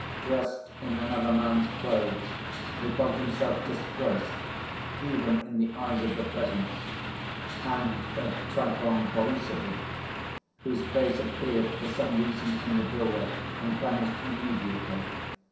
Dressed in another man's clothes he felt himself disgraced, even in the eyes of the peasants, and of Trifon Borissovitch, whose face appeared, for some reason, in the doorway, and vanished immediately.